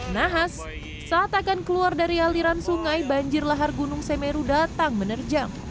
nahas saat akan keluar dari aliran sungai banjir lahar gunung semeru datang menerjang